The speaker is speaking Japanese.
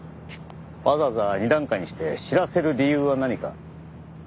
わざわざ２段階にして知らせる理由は何か？